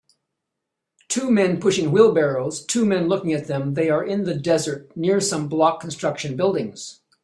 Two men pushing wheelbarrows two men looking at them they are in the desert near some block construction buildings